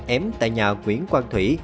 em tại nhà nguyễn quang thủy